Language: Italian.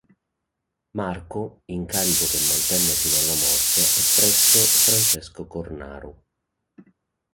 Marco, incarico che mantenne fino alla morte, e presso Francesco Cornaro.